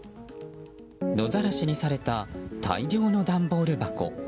野ざらしにされた大量の段ボール箱。